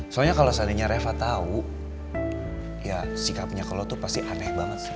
soalnya kalau seandainya reva tahu ya sikapnya kalau itu pasti aneh banget sih